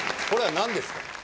これは何ですか？